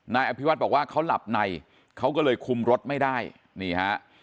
นายอภิวัฒน์บอกว่าเขาหลับในเขาก็เลยคุมรถไม่ได้นี่ฮะ